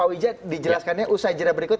pak widja dijelaskannya usai jera berikut